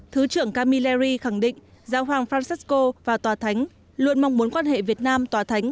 thứ trưởng kamilery khẳng định giáo hoàng francsco và tòa thánh luôn mong muốn quan hệ việt nam tòa thánh